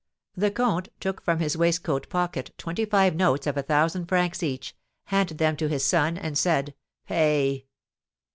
The comte took from his waistcoat pocket twenty five notes of a thousand francs each, handed them to his son, and said: "Pay!"